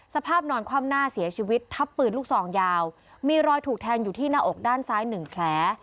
สภาพนอนคว่ำหน้าเสียชีวิตทับปืนลูกซองยาวมีรอยถูกแทงอยู่ที่หน้าอกด้านซ้ายหนึ่งแผล